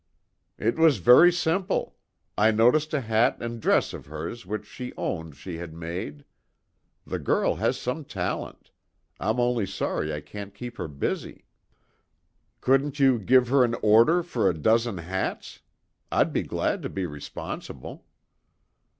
"It was very simple; I noticed a hat and dress of hers which she owned she had made. The girl has some talent; I'm only sorry I can't keep her busy." "Couldn't you give her an order for a dozen hats? I'd be glad to be responsible."